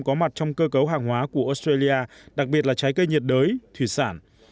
có mặt trong cơ cấu hàng hóa của australia đặc biệt là trái cây nhiệt đới thủy sản